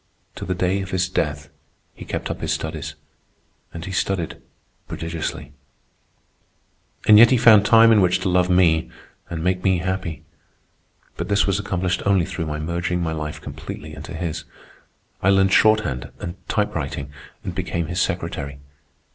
To the day of his death he kept up his studies, and he studied prodigiously. And yet he found time in which to love me and make me happy. But this was accomplished only through my merging my life completely into his. I learned shorthand and typewriting, and became his secretary.